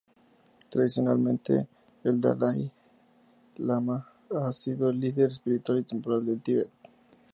Tradicionalmente, el dalái lama ha sido el líder espiritual y temporal del Tíbet.